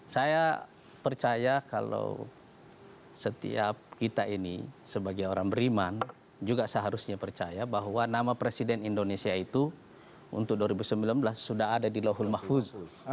saya percaya kalau setiap kita ini sebagai orang beriman juga seharusnya percaya bahwa nama presiden indonesia itu untuk dua ribu sembilan belas sudah ada di lohul mahfuz